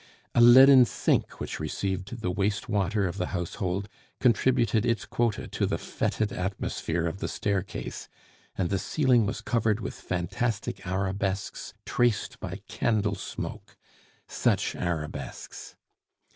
A leaden sink, which received the waste water of the household, contributed its quota to the fetid atmosphere of the staircase, and the ceiling was covered with fantastic arabesques traced by candle smoke such arabesques!